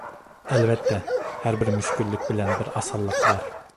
ئەلۋەتتە، ھەربىر مۈشكۈللۈك بىلەن بىر ئاسانلىق بار.